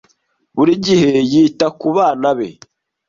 Buri gihe yita ku bana be.